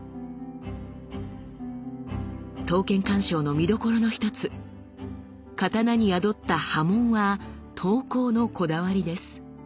刀剣鑑賞の見どころの一つ刀に宿った刃文は刀工のこだわりです。